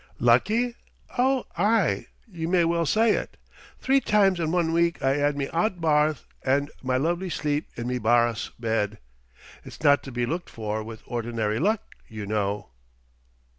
"Lucky? Oh, aye, you may well say it. Three times in one week I 'ad me 'ot barth and my lovely sleep in me brahss bed it's not to be looked for with ordinary luck, you know."